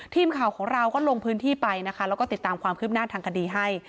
ทีมข่าวของเราก็ลงพื้นที่ไปนะคะแล้วก็ติดตามความคืบหน้าทางคดีให้